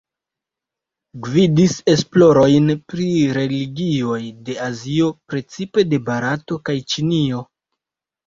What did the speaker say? Gvidis esplorojn pri religioj de Azio, precipe de Barato kaj Ĉinio.